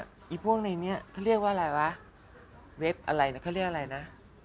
ไอ้พวกในนี้เขาเรียกว่าอะไรวะเว็บอะไรนะเขาเรียกอะไรนะ